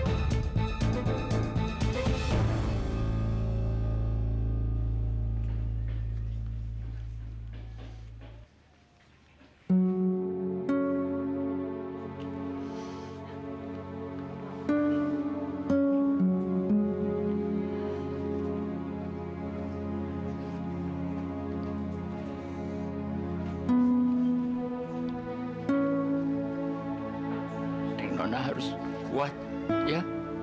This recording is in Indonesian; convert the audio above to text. nek nona harus kuat ya